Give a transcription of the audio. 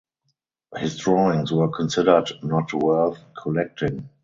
His drawings were considered not worth collecting.